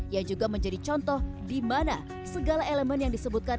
yang juga menjadi contoh di mana segala elemen yang disebutkan